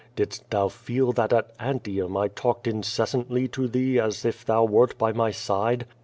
Didst thou feel that at Antium I talked incessantly to thee as if thou wert by my side?